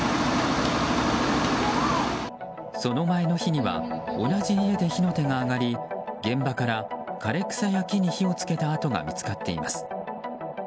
その前の日には同じ家で火の手が上がり現場から枯れ草や木に火を付けた跡が見つかっています。